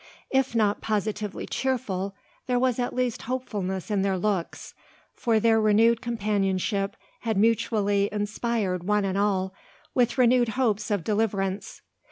If not positively cheerful, there was at least hopefulness in their looks: for their renewed companionship had mutually inspired one and all with renewed hopes of deliverance.